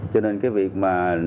cho nên cái việc mà